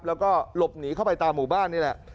แล้วก็หลบหนีเข้าไปตามหมู่บ้านนี่แหละ